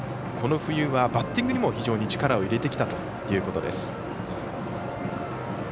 この冬はバッティングにも非常に力を入れてきたということです。